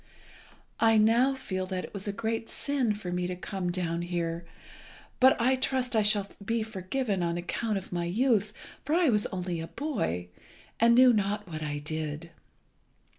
I now feel that it was a great sin for me to come down here, but I trust I shall be forgiven on account of my youth, for I was only a boy, and knew not what I did.